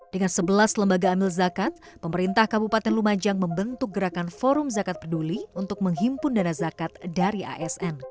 dengan sebelas lembaga amil zakat pemerintah kabupaten lumajang membentuk gerakan forum zakat peduli untuk menghimpun dana zakat dari asn